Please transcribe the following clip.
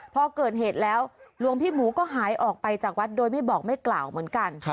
พอเกิดเหตุแล้วหลวงพี่หมูก็หายออกไปจากวัดโดยไม่บอกไม่กล่าวเหมือนกัน